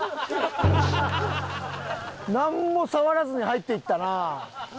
なんも触らずに入っていったな。